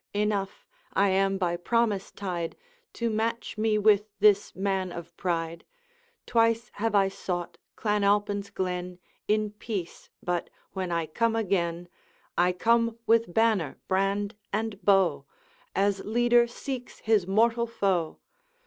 Enough, I am by promise tied To match me with this man of pride: Twice have I sought Clan Alpine's glen In peace; but when I come again, I come with banner, brand, and bow, As leader seeks his mortal foe.